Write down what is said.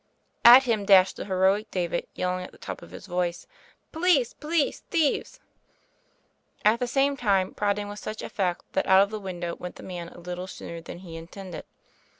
At him dashed the heroic Dave, yelling at the top of his voice: "Police — Police — ^Thieves I" at the same time prodding with such effect that out of the window went the man a little sooner than he intended.